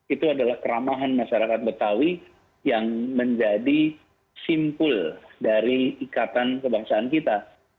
itu adalah keramahan masyarakat betawi yang menjadi simpul dari ikatan kebangsaan kita